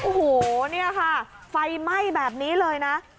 โอ้โหเนี่ยค่ะไฟไหม้แบบนี้เลยนะ